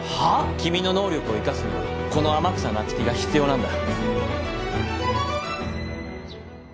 君の能力を生かすにはこの天草那月が必要なんだ。